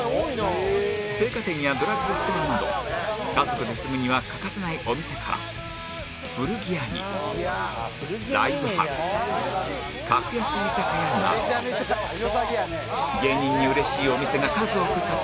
青果店やドラッグストアなど家族で住むには欠かせないお店から古着屋にライブハウス格安居酒屋など芸人にうれしいお店が数多く立ち並ぶ